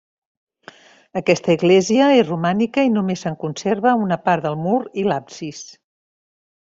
Aquesta església és romànica i només se'n conserva una part del mur i l'absis.